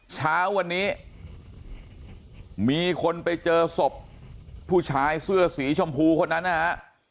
เช้าวันนี้มีคนไปเจอศพผู้ชายเสื้อสีชมพูคนนั้นนะฮะ